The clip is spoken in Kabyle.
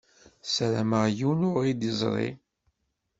Sarameɣ yiwen ur ɣ-d-iẓṛi.